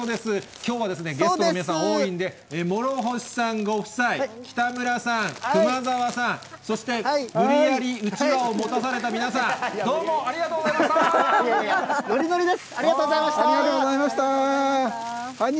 きょうはゲストの皆さん多いんで、諸星さんご夫妻、北村さん、熊澤さん、そして、無理やりうちわを持たされた皆さん、どうもありがとうございましノリノリです。